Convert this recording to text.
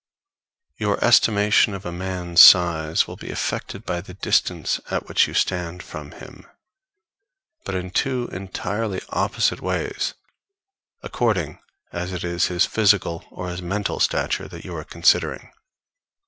Your estimation of a man's size will be affected by the distance at which you stand from him, but in two entirely opposite ways according as it is his physical or his mental stature that you are considering.